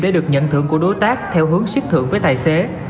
để được nhận thưởng của đối tác theo hướng siết thưởng với tài xế